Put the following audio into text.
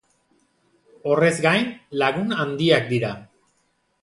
Horrez gain, lagun handiak dira.